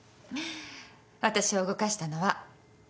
私を動かしたのは。